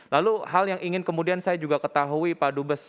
lalu hal yang ingin kemudian saya juga ketahui pak dubes